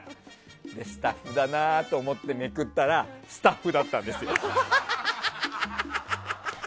スタッフだなと思ってめくったらスタッフだったんですよ。